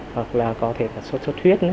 hoặc là có thể là sốt sốt huyết